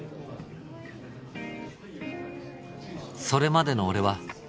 「それまでの俺は」